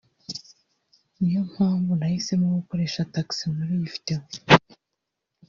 niyo mpamvu nahisemo gukoresha Taxi muriyi video